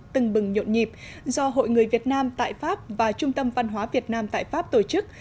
từng bừng nhộn nhịp do hội người việt nam tại pháp và trung tâm văn hóa việt nam tại pháp tổ chức